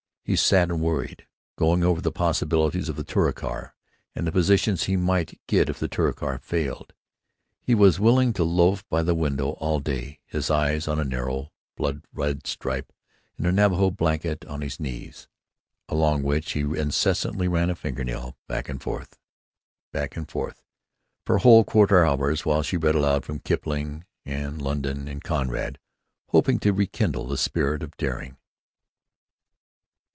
He sat and worried, going over the possibilities of the Touricar, and the positions he might get if the Touricar failed. He was willing to loaf by the window all day, his eyes on a narrow, blood red stripe in the Navajo blanket on his knees, along which he incessantly ran a finger nail, back and forth, back and forth, for whole quarter hours, while she read aloud from Kipling and London and Conrad, hoping to rekindle the spirit of daring.